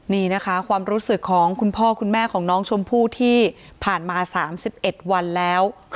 นี่นะคะความรู้สึกของคุณพ่อคุณแม่ของน้องชมพู่ที่ผ่านมา๓๑วันแล้ว